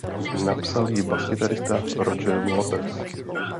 Napsal ji baskytarista Roger Waters.